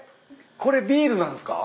これビールなんすか？